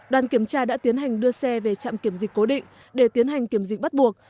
đoàn kiểm tra đã tiến hành đưa xe về trạm kiểm dịch cố định để tiến hành kiểm dịch bắt buộc